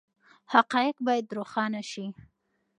حقایق باید روښانه شي.